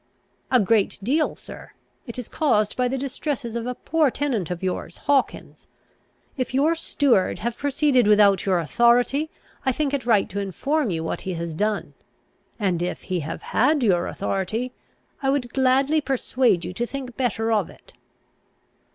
"A great deal, sir: it is caused by the distresses of a poor tenant of yours, Hawkins. If your steward have proceeded without your authority, I think it right to inform you what he has done; and, if he have had your authority, I would gladly persuade you to think better of it."